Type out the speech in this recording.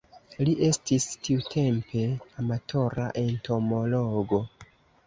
Li estis tiutempe amatora entomologo.